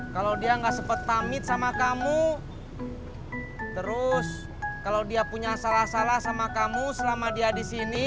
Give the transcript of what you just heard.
kalau dia gak sempet tamit sama kamu terus kalau dia punya salah salah sama kamu selama dia disini